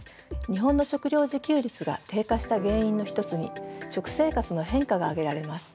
日本の食料自給率が低下した原因の一つに食生活の変化が挙げられます。